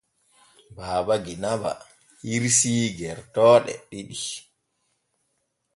Baaba Genaba hirsii gertooɗe ɗiɗi.